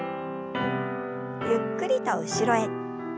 ゆっくりと後ろへ。